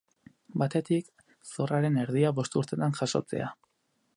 Batetik, zorraren erdia bost urtetan jasotzea.